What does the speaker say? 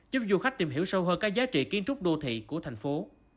giúp du khách tìm hiểu sâu hơn các giá trị kiến trúc đô thị của thành phố